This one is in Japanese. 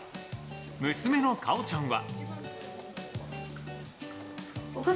娘の果緒ちゃんは。